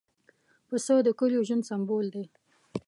پسه د کلیو ژوند سمبول دی.